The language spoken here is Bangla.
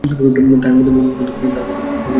তাহার মধ্যে ন্যূনতা এবং দীনতা নাই।